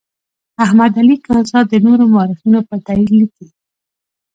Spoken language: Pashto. احمد علي کهزاد د نورو مورخینو په تایید لیکي.